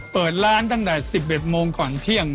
เปิดร้านตั้งแต่๑๑โมงก่อนเที่ยง